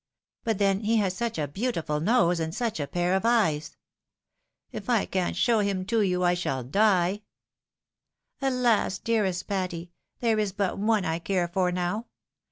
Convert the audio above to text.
But then he has such a beautifvil nose, and such a pair of eyes ! If I can't show him to you, I shall die." " Alas, dearest Patty ! there is but one I care for now.